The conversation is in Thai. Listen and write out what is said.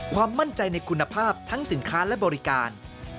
ความมั่นใจในคุณภาพทั้งสินค้าและบริการ